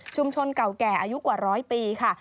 เก่าแก่อายุกว่าร้อยปีค่ะ